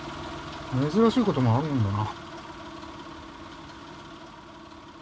珍しいこともあるもんだな。